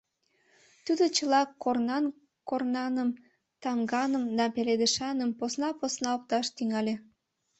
Тудо чыла корнан-корнаным, тамганым да пеледышаным посна-посна опташ тӱҥале.